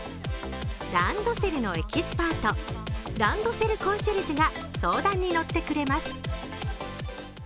ランドセルのエキスパート、ランドセルコンシェルジュが相談に乗ってくれます。